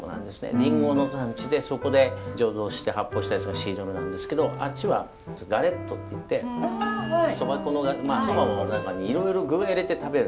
りんごの産地でそこで醸造して発泡したやつがシードルなんですけどあっちはガレットっていってそば粉のいろいろ具を入れて食べる。